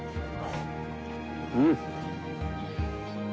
うん！